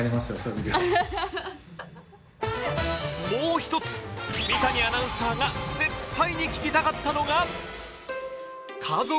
もう一つ三谷アナウンサーが絶対に聞きたかったのが